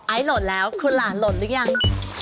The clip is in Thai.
ไอล์โหลดแล้วคุณหลานโหลดหรือยัง